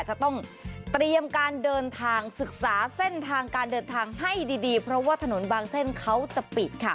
จะต้องเตรียมการเดินทางศึกษาเส้นทางการเดินทางให้ดีเพราะว่าถนนบางเส้นเขาจะปิดค่ะ